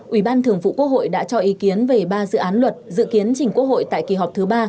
ủy ban thường vụ quốc hội đã cho ý kiến về ba dự án luật dự kiến chỉnh quốc hội tại kỳ họp thứ ba